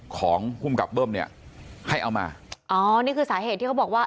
ของภูมิกับเบิ้มเนี่ยให้เอามาอ๋อนี่คือสาเหตุที่เขาบอกว่า